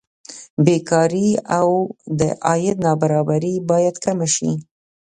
بېکاري او د عاید نابرابري باید کمه شي.